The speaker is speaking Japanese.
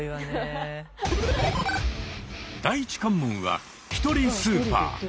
第一関門は「ひとりスーパー」！